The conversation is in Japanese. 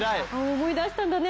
思い出したんだね。